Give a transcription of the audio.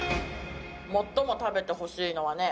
最も食べてほしいのはね